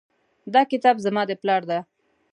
دا کتاب زما د پلار ده